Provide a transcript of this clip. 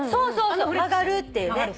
曲がるっていうね。